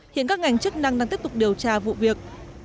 hiện các ngành chức năng đang tiếp tục điều tra vụ việc